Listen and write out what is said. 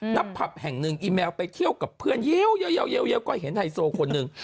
ผับแห่งหนึ่งอีแมวไปเที่ยวกับเพื่อนเยอะก็เห็นไฮโซคนหนึ่ง